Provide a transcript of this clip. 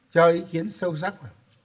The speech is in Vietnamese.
cho ý kiến sâu sắc